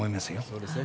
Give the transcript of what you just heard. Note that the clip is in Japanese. そうですね。